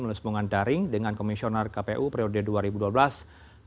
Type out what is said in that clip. melalui hubungan daring dengan komisioner kpu periode dua ribu dua belas dua ribu dua puluh